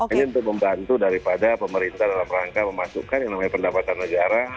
ini untuk membantu daripada pemerintah dalam rangka memasukkan yang namanya pendapatan negara